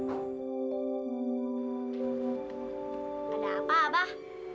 ada apa abah